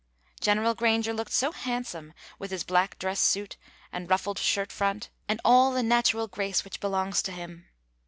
General Granger looked so handsome with his black dress suit and ruffled shirt front and all the natural grace which belongs to him.